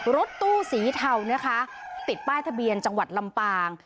รถตู้สีเทานะคะติดป้ายทะเบียนจังหวัดลำปาง